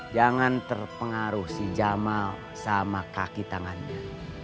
jangan terpengaruh si jamal sama kaki tangannya